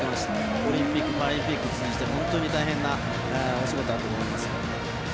オリンピック・パラリンピック通じて本当に大変なお仕事だと思います。